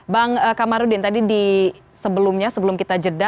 bang kamarudin tadi di sebelumnya sebelum kita jeda